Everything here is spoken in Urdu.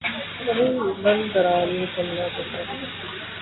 وہی لن ترانی سنا چاہتا ہوں